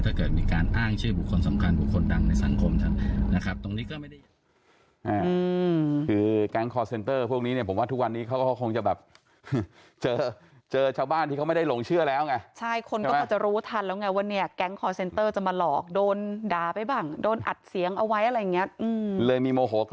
จะเกิดมีการอ้างชื่อบุคคลสำคัญบุคคลดังในสังคม